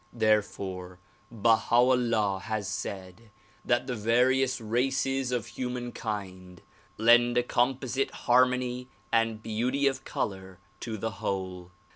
Therefore Baha 'Ullah has said that the various races of hu man kind lend a composite harmony and beauty of color to the whole.